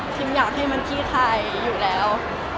อยากให้มันขี้ไทยอยู่แล้ว